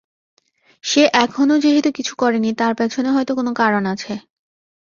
সে এখনও যেহেতু কিছু করে নি, তার পেছনে হয়তো কোন কারন আছে।